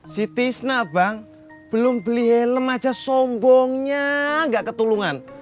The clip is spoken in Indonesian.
si tisna bang belum beli helm aja sombongnya gak ketulungan